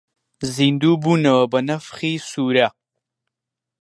زیندوو بوونەوە بە نەفخی سوورە